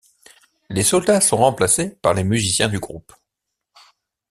Les soldats sont remplacés par les musiciens du groupe.